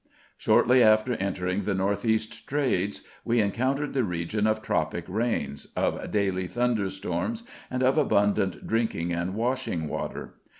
Shortly after entering the N. E. trades we encountered the region of tropic rains, of daily thunder storms, and of abundant drinking and washing water.